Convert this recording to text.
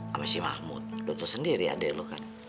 sama si mahmud dutuh sendiri adik lo kan